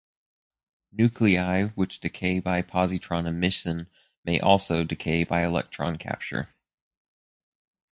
Nuclei which decay by positron emission may also decay by electron capture.